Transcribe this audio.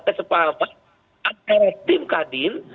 kesepakatan antara tim kadin